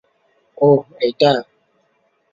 ওহ, এইটা?